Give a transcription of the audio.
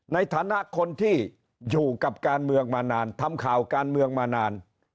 ในฐานะคนที่อยู่กับการเมืองมานานทำข่าวการเมืองมานาน